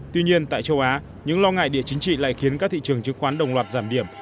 tuy nhiên tại châu á những lo ngại địa chính trị lại khiến các thị trường chứng khoán đồng loạt giảm điểm